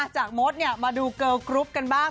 จากโมสมาดูเกิร์ลกรุ๊ปกันบ้าง